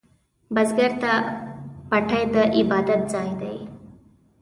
بزګر ته پټی د عبادت ځای ښکاري